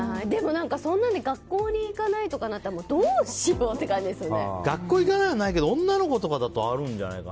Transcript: そんなんで学校に行かないとかになったら学校行かないのはないけど女の子なんかはあるんじゃない？